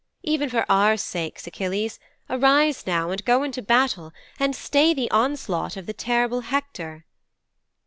Even for our sakes, Achilles, arise now and go into battle and stay the onslaught of the terrible Hector."'